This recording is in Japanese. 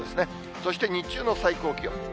そして日中の最高気温。